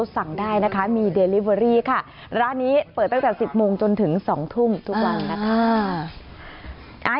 สั่งได้นะคะมีเดลิเวอรี่ค่ะร้านนี้เปิดตั้งแต่๑๐โมงจนถึง๒ทุ่มทุกวันนะคะ